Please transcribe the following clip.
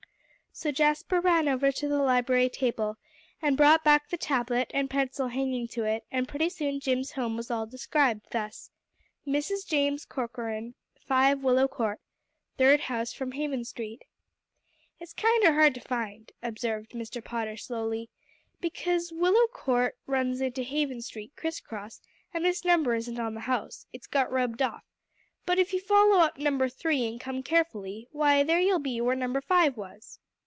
So Jasper ran over to the library table, and brought back the tablet and pencil hanging to it; and pretty soon Jim's home was all described thus: "Mrs. James Corcoran, 5 Willow Court third house from Haven Street." "It's kinder hard to find," observed Mr. Potter slowly, "because Willow Court runs into Haven Street criss cross, and this number isn't on the house; it's got rubbed off; but if you follow up No. 3, and come up carefully, why, there you'll be where No. 5 was."